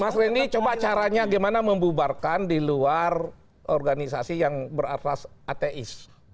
mas reni coba caranya gimana membubarkan di luar organisasi yang beratlas ateis